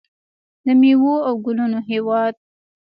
د میوو او ګلونو هیواد.